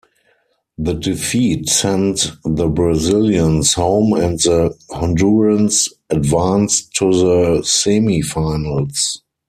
The defeat sent the Brazilians home and the Hondurans advanced to the semifinals.